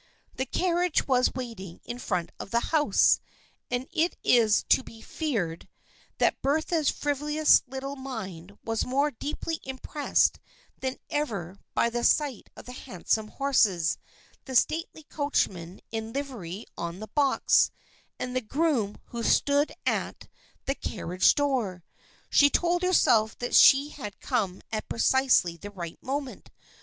The carriage was waiting in front of the house, and it is to be feared that Bertha's frivolous little mind was more deeply impressed than ever by the sight of the handsome horses, the stately coachman in livery on the box, and the groom who stood at the carriage door. She told herself that she had come at precisely the right moment.